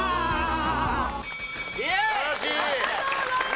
ありがとうございます！